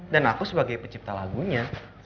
dan aku sebagai pencipta lagunya